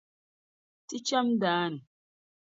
Ti cham daa ni.